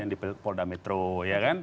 habib rizik di polda jawa barat